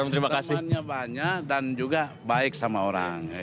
temannya banyak dan juga baik sama orang